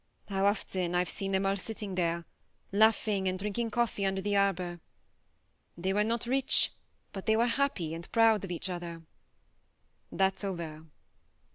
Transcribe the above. How often I've seen them all sitting there, laughing and drinking coffee under the arbour ! They were not rich, but they were happy and proud of each other. That's over."